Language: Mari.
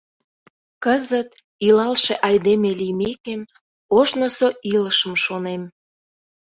Кызыт, илалше айдеме лиймекем, ожнысо илышым шонем.